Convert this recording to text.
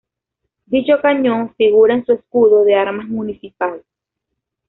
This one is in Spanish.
Dicho cañón figura en su escudo de armas municipal.